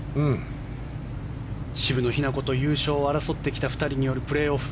渋野日向子と優勝を争ってきた２人によるプレーオフ。